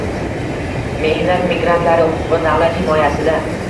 Mehnat migrantlari huquqi davlat himoyasida